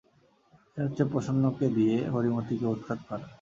এ হচ্ছে প্রসন্নকে দিয়ে হরিমতিকে উৎখাত করা।